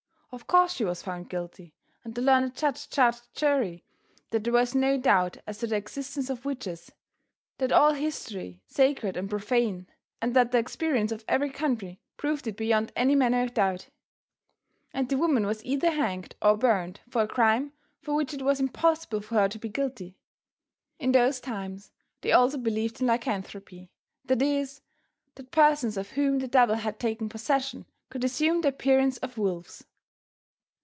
Of course she was found guilty, and the learned Judge charged the jury that there was no doubt as to the existence of witches, that all history, sacred and profane, and that the experience of every country proved it beyond any manner of doubt. And the woman was either hanged or burned for a crime for which it was impossible for her to be guilty. In those times they also believed in Lycanthropy that is, that persons of whom the devil had taken possession could assume the appearance of wolves.